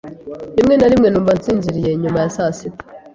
Rimwe na rimwe numva nsinziriye nyuma ya saa sita.